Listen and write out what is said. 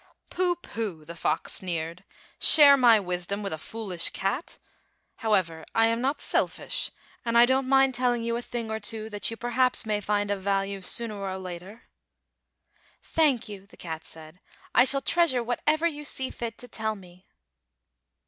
"Pooh, pooh!" the fox sneered; "share my wisdom with a foolish cat! However, I am not selfish, and I don't mind telling you a thing or two that you perhaps may find of value sooner or later." "Thank you," the cat said; "I shall treas ure whatever you see fit to tell me."